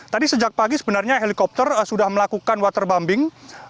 tadi sejak pagi sebenarnya helikopter sudah melakukan waterbombing